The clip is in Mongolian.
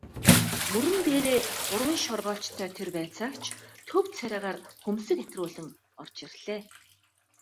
Мөрөн дээрээ гурван шоргоолжтой тэр байцаагч төв царайгаар хөмсөг атируулан орж ирлээ.